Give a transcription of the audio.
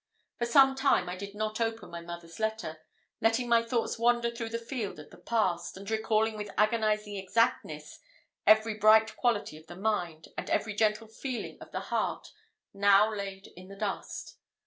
For some time I did not open my mother's letter, letting my thoughts wander through the field of the past, and recalling with agonizing exactness every bright quality of the mind, and every gentle feeling of the heart now laid in the dust.